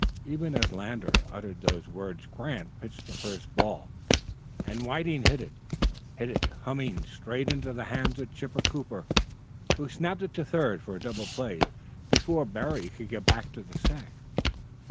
Even as Lander uttered these words Grant pitched the first ball, and Whiting hit it hit it humming straight into the hands of Chipper Cooper, who snapped it to third for a double play, before Berry could get back to the sack.